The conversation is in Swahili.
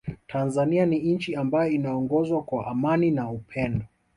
Tanzania ni nchi ambayo inaongozwa kwa amani na upendo